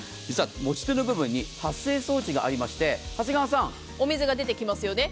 持ち手の部分に発生装置がありましてお水が出てきますよね。